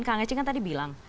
kak ngece kan tadi bilang